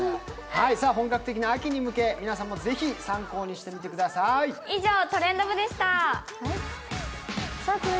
本格的な秋に向け、皆さんもぜひ参考にしてみてください。